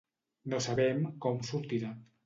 No sabem com sortirà.